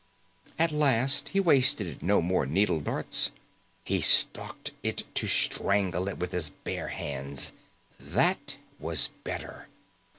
_" At last he wasted no more needle darts. He stalked it to strangle it with his bare hands. That was better.